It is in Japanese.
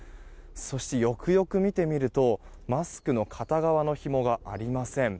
そして、よくよく見てみるとマスクの片側のひもがありません。